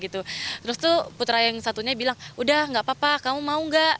terus tuh putra yang satunya bilang udah gak apa apa kamu mau nggak